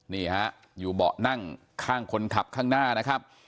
นี่ฮะอยู่เบาะนั่งข้างคนขับข้างหน้านะครับ